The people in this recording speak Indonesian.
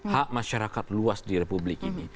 hak masyarakat luas di republik ini